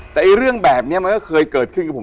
แต่เรื่องแบบนี้มันก็เคยเกิดขึ้นกับผม